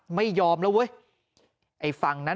โอ้ยยยอมแล้วเอ๊ยไอ้ฝั่งนั้น